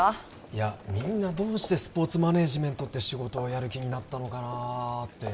いやみんなどうしてスポーツマネージメントって仕事をやる気になったのかなって